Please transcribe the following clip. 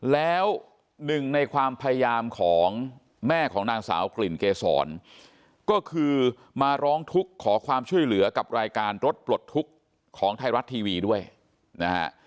แล้วหนึ่งในความพยายามของแม่ของนางสาวกลิ่นเกษรก็คือมาร้องทุกข์ขอความช่วยเหลือกับรายการรถปลดทุกข์ของไทยรัฐทีวีด้วยนะฮะ